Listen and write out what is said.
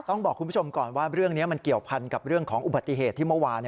ต้องบอกคุณผู้ชมก่อนว่าเรื่องนี้มันเกี่ยวพันกับเรื่องของอุบัติเหตุที่เมื่อวาน